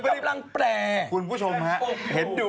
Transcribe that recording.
มิสัยคุณเนี่ยกำลัง